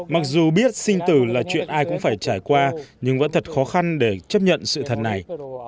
mặc dù biết sinh tử là chuyện ai cũng phải trải qua nhưng vẫn thật khó khăn để chấp nhận sự thật này